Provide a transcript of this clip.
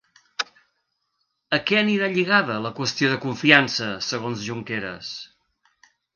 A què anirà lligada la qüestió de confiança segons Junqueras?